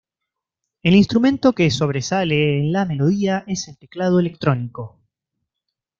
El instrumento que sobresale en la melodía es el teclado electrónico.